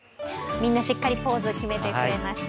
みんなしっかりポーズ決めてくれました。